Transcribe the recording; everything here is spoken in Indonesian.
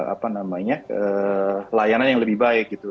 apa namanya layanan yang lebih baik gitu